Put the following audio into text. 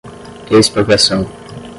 expropriação